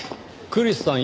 クリスさん